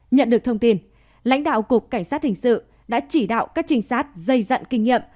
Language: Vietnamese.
nhận được thông tin lãnh đạo cục cảnh sát hình sự đã chỉ đạo các trinh sát dây dặn kinh nghiệm